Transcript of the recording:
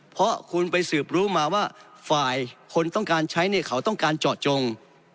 เพราะคุณไปสืบรู้มาว่าฝ่ายคนต้องการใช้เนี่ยเขาต้องการเจาะจง